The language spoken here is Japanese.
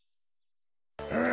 うん。